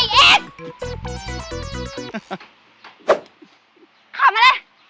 เข้ามาเลย